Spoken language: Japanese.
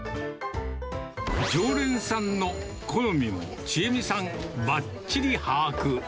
常連さんの好みも千栄美さん、ばっちり把握。